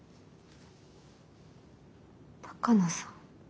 鷹野さん。